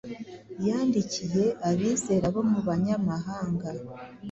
Yandikiye abizera bo mu banyamahanga